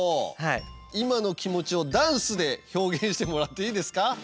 今の気持ちをダンスで表現してもらっていいですか？